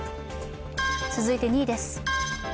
続いて２位です。